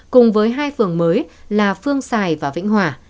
cùng với hai phường mới là phương sài và vĩnh hòa